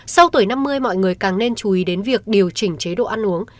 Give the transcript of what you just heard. sau tuổi năm mươi mọi người càng nên chú ý đến việc điều chỉnh chế độ ăn uống